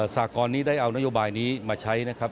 สหกรได้เอานโยบายนี้มาใช้